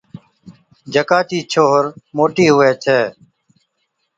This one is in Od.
جڪا چِي ڇوھِر موٽِي ھُوي ڇَي